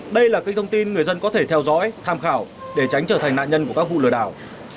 đây là các thông tin người dân có thể theo dõi tham khảo để tránh trở thành nạn nhân của các vụ lừa đảo